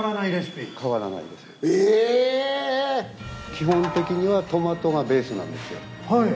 基本的にはトマトがベースなんですよ。